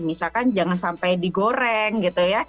misalkan jangan sampai digoreng gitu ya